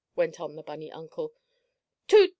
went on the bunny uncle. "Toot!